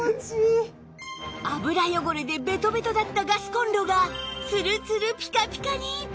油汚れでベトベトだったガスコンロがツルツルピカピカに！